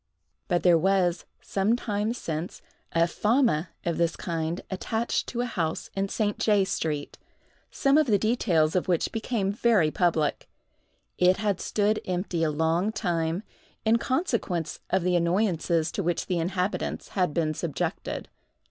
But there was, some time since, a fama of this kind attached to a house in St. J—— street, some of the details of which became very public. It had stood empty a long time, in consequence of the annoyances to which the inhabitants had been subjected.